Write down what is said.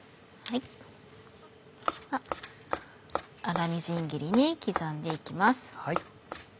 粗みじん切りに刻んで行きます。